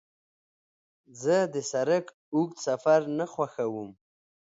زه د سړک اوږد سفر نه خوښوم.